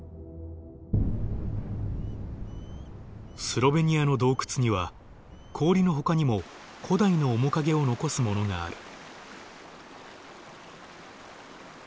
スロベニアの洞窟には氷のほかにも古代の面影を残すものがある。